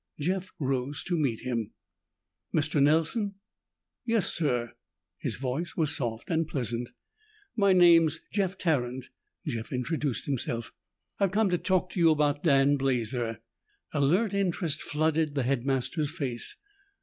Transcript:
Jeff rose to meet him. "Mr. Nelson?" "Yes sir." His voice was soft and pleasant. "My name's Jeff Tarrant," Jeff introduced himself. "I've come to talk to you about Dan Blazer." Alert interest flooded the headmaster's face.